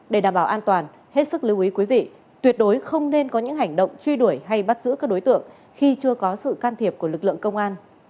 để đảm bảo an toàn hết sức lưu ý quý vị tuyệt đối không nên có những hành động truy đuổi hay bắt giữ các đối tượng khi chưa có sự can thiệp của lực lượng công an